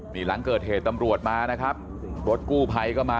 นี่หลังเกิดเหตุตำรวจมานะครับรถกู้ภัยก็มา